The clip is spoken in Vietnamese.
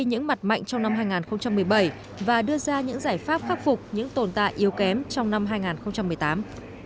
những mặt mạnh trong năm hai nghìn một mươi bảy và đưa ra những giải pháp khắc phục những tồn tại yếu kém trong năm hai nghìn một mươi tám